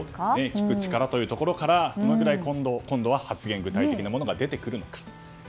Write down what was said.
聞く力というところから今度は、発言に具体的なものが出てくるのか。